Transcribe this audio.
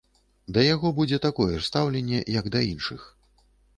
Да яго будзе такое ж стаўленне, як да іншых.